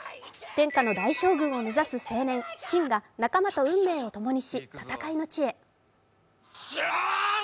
天下の大将軍を目指す青年・信が仲間と運命を共にし戦いの地へ。